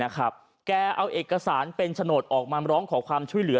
แกเอาเอกสารเป็นโฉนดออกมาร้องขอความช่วยเหลือ